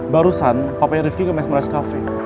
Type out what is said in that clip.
barusan papanya rifki ke mesmerize cafe